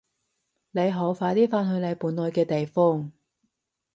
你好快啲返去你本來嘅地方！